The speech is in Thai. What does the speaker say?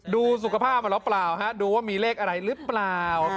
ดูสุขภาพมาหรือเปล่าดูว่ามีเลขอะไรหรือเปล่า